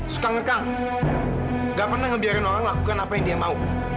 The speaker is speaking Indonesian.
suka ngekang gak pernah ngebiarin orang lakukan apa yang dia mau